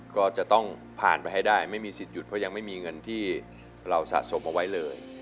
ก็จะต้องผ่านไปให้ได้ไม่มีสิทธิหยุดเพราะยังไม่มีเงินที่เราสะสมเอาไว้เลย